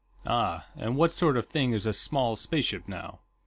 "Ah, and what sort of a thing is this small spaceship, now?"